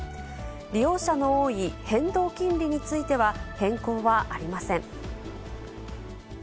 利用者の多い変動金利については変更はありません。